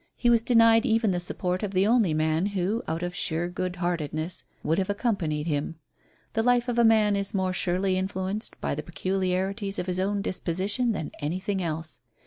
He was denied even the support of the only man who, out of sheer good heartedness, would have accompanied him. The life of a man is more surely influenced by the peculiarities of his own disposition than anything else.